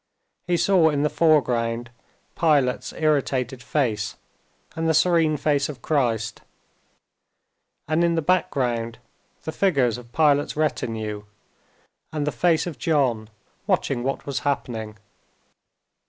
He saw in the foreground Pilate's irritated face and the serene face of Christ, and in the background the figures of Pilate's retinue and the face of John watching what was happening.